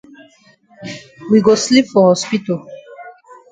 We go sleep for hospital.